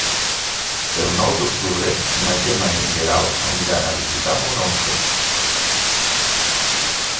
El nou d'octubre na Gemma i en Guerau aniran a visitar mon oncle.